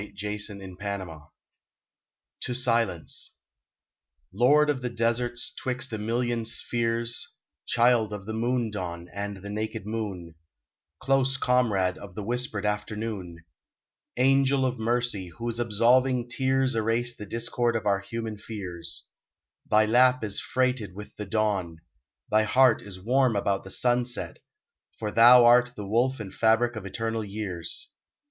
SONNETS TO SILENCE LORD of the deserts 'twixt a million spheres, Child of the moon dawn and the naked moon, Close comrade of the whispered afternoon, Angel of mercy, whose absolving tears Erase the discord of our human fears : Thy lap is freighted with the dawn, thy heart Is warm about the sunset, for thou art The woof and fabric of eternal years.